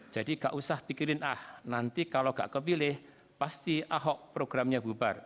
jadi gak usah pikirin ah nanti kalau gak kepilih pasti ahok programnya bubar